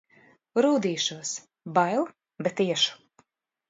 Rūdīšos. Bail, bet iešu.